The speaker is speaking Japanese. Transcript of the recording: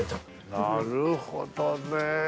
なるほどね。